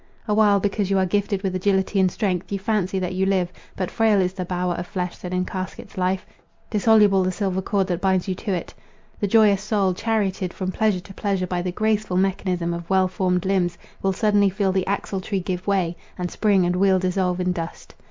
Awhile, because you are gifted with agility and strength, you fancy that you live: but frail is the "bower of flesh" that encaskets life; dissoluble the silver cord that binds you to it. The joyous soul, charioted from pleasure to pleasure by the graceful mechanism of well formed limbs, will suddenly feel the axle tree give way, and spring and wheel dissolve in dust.